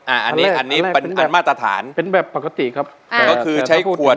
อันนี้อันนี้เป็นอันมาตรฐานเป็นแบบปกติครับค่ะก็คือใช้ขวด